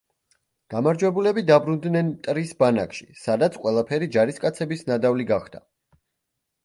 გამარჯვებულები დაბრუნდნენ მტრის ბანაკში, სადაც ყველაფერი ჯარისკაცების ნადავლი გახდა.